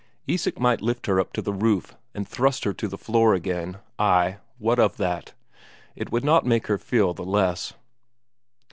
Isak might lift her up to the roof and thrust her to the floor again ay, what of that! It would not make her feel the less.